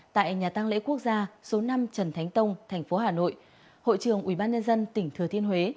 tại nhà tăng lễ quốc gia số năm trần thánh tông tp hà nội hội trường ủy ban nhân dân tỉnh thừa thiên huế